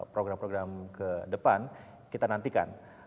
program program ke depan kita nantikan